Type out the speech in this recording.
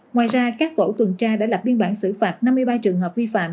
ngoài ra các tổ tuần tra đã lập biên bản xử phạt năm mươi ba trường hợp vi phạm